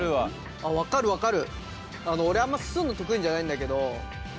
あ分かる分かる！